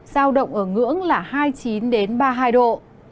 giao động ở ngưỡng là hai mươi chín ba mươi hai độ